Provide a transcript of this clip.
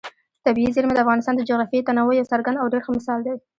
طبیعي زیرمې د افغانستان د جغرافیوي تنوع یو څرګند او ډېر ښه مثال دی.